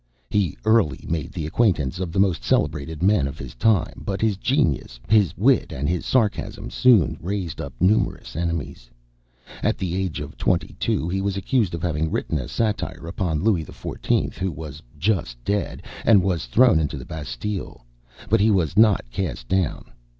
He early made the acquaintance of the most celebrated men of his time, but his genius, his wit, and his sarcasm, soon raised up numerous enemies. At the age of twenty two, he was accused of having written a satire upon Louis XIV., who was just dead, and was thrown into the Bastile. But he was not cast down.